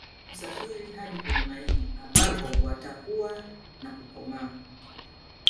Husafiri hadi kwenye maini ambako watakua na kukomaa